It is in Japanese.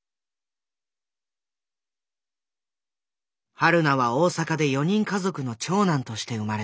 はるなは大阪で４人家族の長男として生まれた。